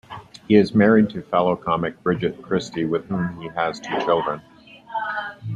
He is married to fellow comic Bridget Christie, with whom he has two children.